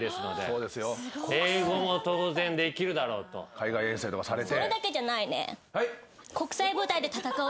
海外遠征とかされて。